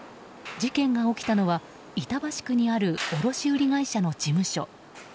事件が起きたのは板橋区にある卸売会社の事務所。